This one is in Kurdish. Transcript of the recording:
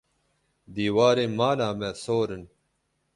Dîwarên mala me sor in.